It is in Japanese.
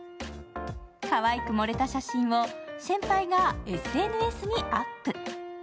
かわいく盛れた写真を先輩がＳＮＳにアップ。